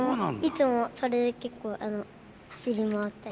いつもそれで結構走り回ったり。